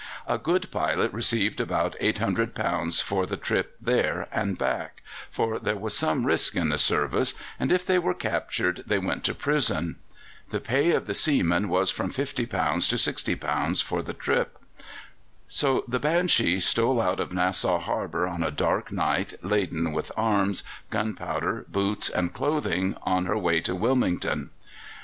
A good pilot received about £800 for the trip there and back, for there was some risk in the service, and if they were captured they went to prison. The pay of the seamen was from £50 to £60 for the trip. So the Banshee stole out of Nassau Harbour on a dark night, laden with arms, gunpowder, boots, and clothing, on her way to Wilmington.